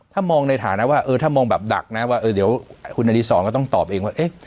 ถ้ามองในฐานะว่าเออถ้ามองแบบดักนะว่าเดี๋ยวคุณอดีศรก็ต้องตอบเองว่าเอ๊ะ